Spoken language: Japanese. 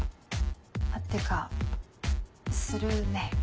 ってかするね。